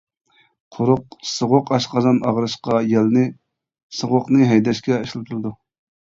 قۇرۇق سوغۇق ئاشقازان ئاغرىشقا يەلنى، سوغۇقنى ھەيدەشكە ئىشلىتىلىدۇ.